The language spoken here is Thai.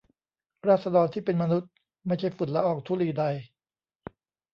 ราษฎรที่เป็นมนุษย์ไม่ใช่ฝุ่นละอองธุลีใด